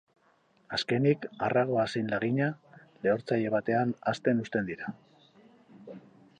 Azkenik, arragoa zein lagina, lehortzaile batean hozten uzten dira.